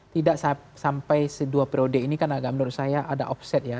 tidak sampai dua periode ini kan agak menurut saya ada offset ya